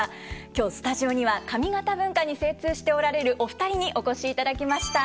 今日スタジオには上方文化に精通しておられるお二人にお越しいただきました。